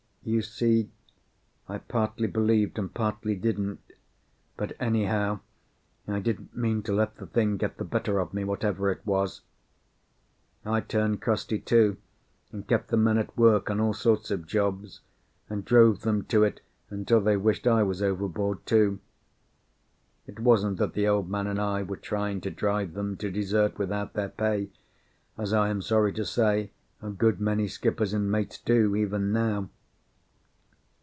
You see I partly believed and partly didn't; but, anyhow, I didn't mean to let the thing get the better of me, whatever it was. I turned crusty, too, and kept the men at work on all sorts of jobs, and drove them to it until they wished I was overboard, too. It wasn't that the Old Man and I were trying to drive them to desert without their pay, as I am sorry to say a good many skippers and mates do, even now.